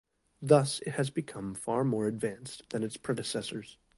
Thus it has become far more advanced than its predecessors.